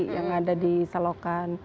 yang ada di selokan